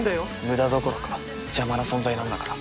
無駄どころか邪魔な存在なんだから